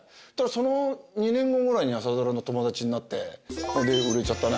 その２年後ぐらいに朝ドラの友達になって売れちゃったね